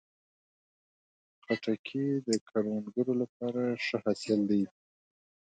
خټکی د کروندګرو لپاره ښه حاصل دی.